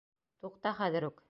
Туҡта хәҙер үк!